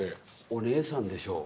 お姉さんでしょう。